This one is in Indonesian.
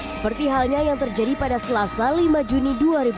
seperti halnya yang terjadi pada selasa lima juni dua ribu dua puluh